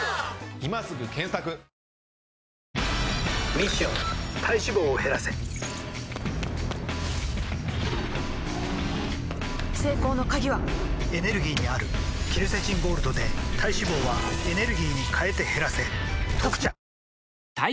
ミッション体脂肪を減らせ成功の鍵はエネルギーにあるケルセチンゴールドで体脂肪はエネルギーに変えて減らせ「特茶」